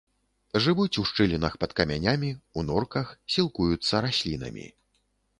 Жывуць у шчылінах, пад камянямі, у норках, сілкуюцца раслінамі.